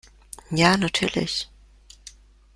Ja, natürlich!